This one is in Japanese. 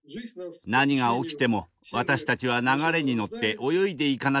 何が起きても私たちは流れに乗って泳いでいかなければなりません。